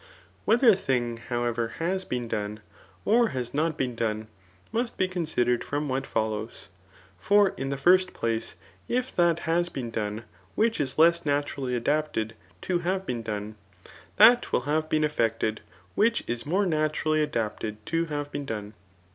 Whether a thing, however, has been done, or has not been done, must be considered from what follows. For in the first place, if that has been done, which is lev naturally adapted to haye been done, that will have been effected which is more naturally adapted to hare bbcn done.'